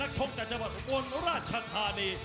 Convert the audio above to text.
ชกจากจังหวัดอุบลราชธานี